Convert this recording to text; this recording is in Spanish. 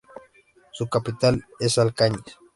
Su capital es Alcañiz.